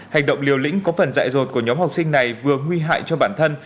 hành động liều lĩnh có phần dại dột của nhóm học sinh này vừa nguy hại cho bản thân